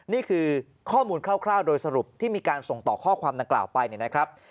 นี่คือข้อมูลคร่าวโดยสรุปที่มีการส่งต่อข้อความดังกล่าวไปเนี่ยนะครับ